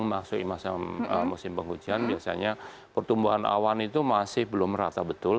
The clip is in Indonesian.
masuk musim penghujan biasanya pertumbuhan awan itu masih belum rata betul